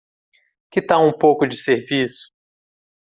Que tal um pouco de serviço?